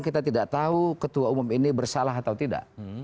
kita tidak tahu ketua umum ini bersalah atau tidak